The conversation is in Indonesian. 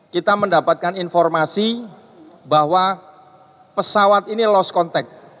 kita mendapatkan informasi bahwa pesawat ini lost contact